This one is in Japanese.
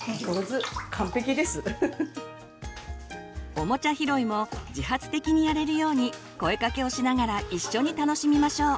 オモチャ拾いも自発的にやれるように声かけをしながら一緒に楽しみましょう。